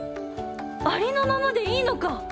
ありのままでいいのか！